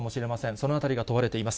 そのあたりが問われています。